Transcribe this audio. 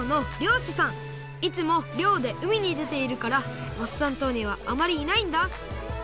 いつもりょうでうみにでているからワッサン島にはあまりいないんだ。